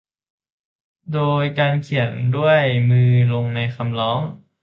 โดยการเขียนด้วยมือลงในคำร้อง